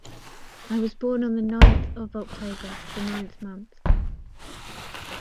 I was born on the ninth of October, the ninth month.